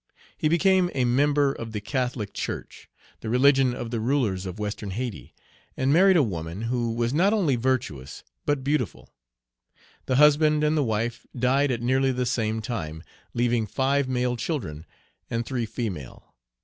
He became a member of the Catholic Church, the religion of the rulers of Western Hayti, and married a woman, who was not only virtuous but beautiful. The husband and the wife died at nearly the same time, leaving five male children and three female.